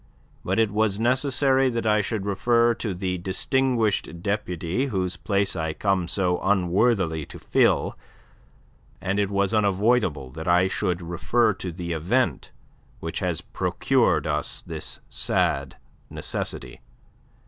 But it was necessary that I should refer to the distinguished deputy whose place I come so unworthily to fill, and it was unavoidable that I should refer to the event which has procured us this sad necessity.